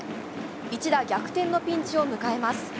一打逆転のピンチを迎えます。